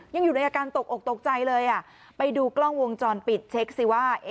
ยังอยู่ในอาการตกอกตกใจเลยไปดูกล้องวงจรปิดเช็คสิว่า